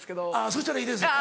そしたらいいです。